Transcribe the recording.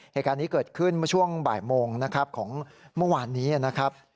เหตุการณ์นี้เกิดขึ้นเมื่อช่วงบ่ายโมงนะครับของเมื่อวานนี้นะครับ